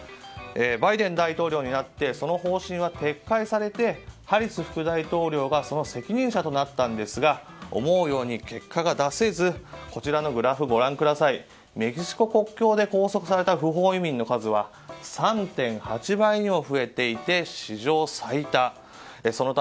バイデン大統領になってその方針が撤回されてハリス副大統領がその責任者となったんですが思うように結果が出せずこちらのグラフをご覧いただくとメキシコ国境で拘束された不法移民の数は３．８倍にも増えていて史上最多です。